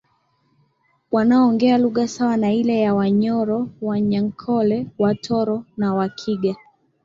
Wanaongea lugha sawa na ile ya Wanyoro Wanyankole Watoro na Wakiga